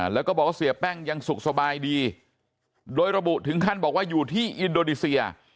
แล้วก็บอกว่าเสียแป้งยังสุขสบายดีโดยระบุถึงขั้นบอกว่าอยู่ที่อินโดนีเซีย